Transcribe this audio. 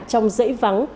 trong dãy vắng